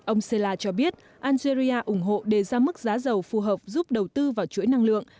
ông cella cho biết algeria ủng hộ đề ra mức giá dầu phù hợp giúp đầu tư vào chuỗi năng lượng